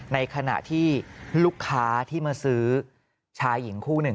ในขณะที่ลูกค้าที่มาซื้อชายหญิงคู่หนึ่ง